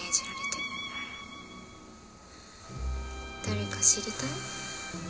誰か知りたい？